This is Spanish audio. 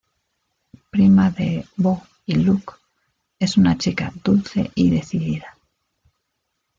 Prima de Bo y Luke, es una chica dulce y decidida.